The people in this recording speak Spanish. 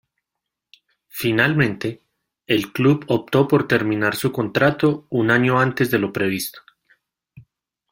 Finalmente, el club optó por terminar su contrato un año antes de lo previsto.